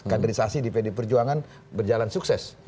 kaderisasi di pd perjuangan berjalan sukses